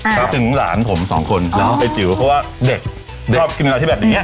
ครับถึงหลานผมสองคนอ๋อไปจิ๋วเพราะว่าเด็กเด็กชอบกินอะไรที่แบบนี้